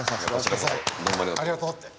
ありがとうって。